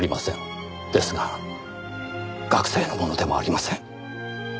ですが学生のものでもありません。